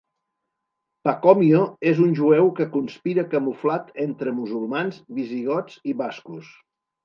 Pacomio és un jueu que conspira camuflat entre musulmans, visigots i bascos.